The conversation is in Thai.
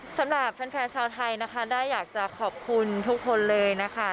สำหรับแฟนชาวไทยนะคะได้อยากจะขอบคุณทุกคนเลยนะคะ